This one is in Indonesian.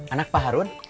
anak pak harun